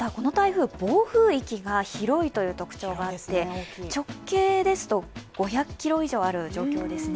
はい、またこの台風は暴風域が広いという特徴がありまして直径ですと、５００キロ以上ある状況ですね